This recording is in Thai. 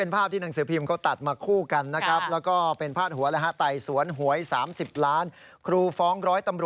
เอามาตัดคู่กันใช่ไหม